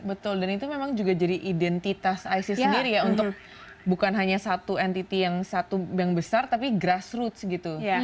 betul dan itu memang juga jadi identitas isis sendiri ya untuk bukan hanya satu entity yang satu yang besar tapi grassroots gitu